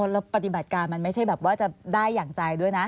แล้วปฏิบัติการมันไม่ใช่แบบว่าจะได้อย่างใจด้วยนะ